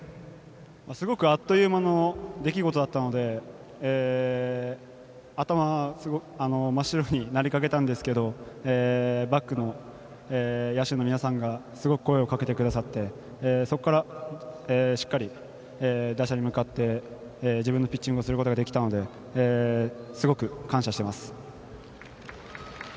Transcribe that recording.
すごくあっという間の出来事だったので頭、真っ白になりかけたんですけどバックの野手の皆さんがすごく声をかけてくださってそこからしっかり打者に向かって自分のピッチングをすることができたのですごく感謝しています。